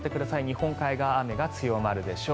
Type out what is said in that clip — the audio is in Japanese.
日本海側、雨が強まるでしょう。